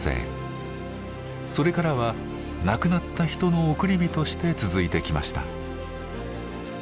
それからは亡くなった人の送り火として続いてきました。